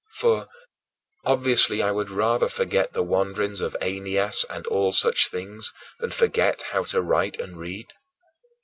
For, obviously, I would rather forget the wanderings of Aeneas, and all such things, than forget how to write and read.